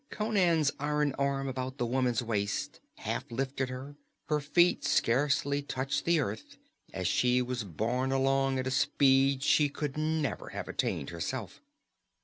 Conan's iron arm about the woman's waist half lifted her; her feet scarcely touched the earth as she was borne along at a speed she could never have attained herself.